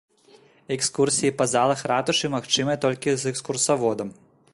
Экскурсіі па залах ратушы магчымыя толькі з экскурсаводам.